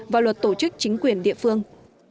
và luật tổ chức chính quyền địa phương